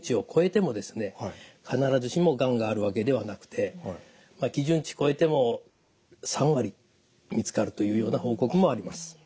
必ずしもがんがあるわけではなくて基準値超えても３割見つかるというような報告もあります。